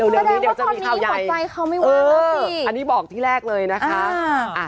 เราก็ได้ว่าตอนนี้ไม่ขอดใจเขาไม่ว่าแล้วสิอันนี้บอกที่แรกเลยนะคะอ่า